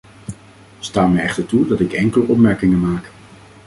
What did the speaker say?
Sta mij echter toe dat ik enkele opmerkingen maak.